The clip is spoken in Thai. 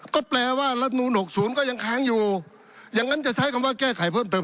ก็แปลว่ารัฐนูล๖๐ก็ยังค้างอยู่อย่างนั้นจะใช้คำว่าแก้ไขเพิ่มเติม